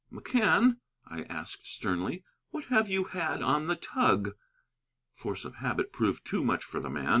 "McCann," I asked sternly, "what have you had on the tug?" Force of habit proved too much for the man.